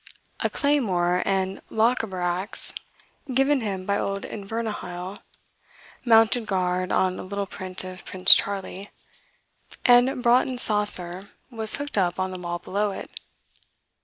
A claymore and Lochaber axe, given him by old Invernahyle, mounted guard on a little print of Prince Charlie; and Broughton's Saucer was hooked up on the wall below it."